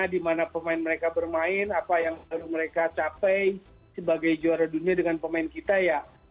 dimana pemain mereka bermain apa yang baru mereka capai sebagai juara dunia dengan pemain kita ya